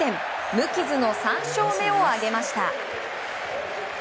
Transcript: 無傷の３勝目を挙げました。